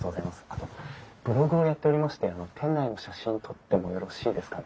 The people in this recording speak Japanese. あとブログをやっておりまして店内の写真撮ってもよろしいですかね？